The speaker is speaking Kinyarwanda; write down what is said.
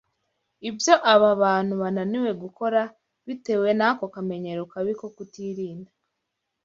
Ibyo aba bantu bananiwe gukora bitewe n’ako kamenyero kabi ko kutirinda,